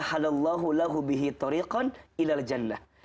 allah swt bersabda